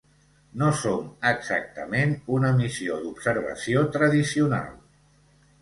No som exactament una missió d’observació tradicional.